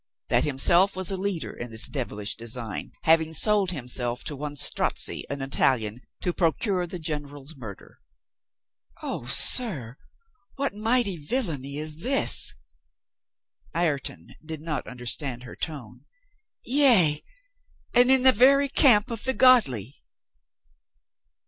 That himself w,as a leader in this devilish design, having sold himself to one Strozzi, an Italian, to procure the generals' murder." "O, sir, what mighty villainy Is this!" (Ireton did not understand her tone.) "Yea, and in the very camp of the godly